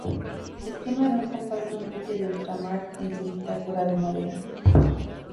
Esquema de un compás de un buque de ultramar en su bitácora de madera.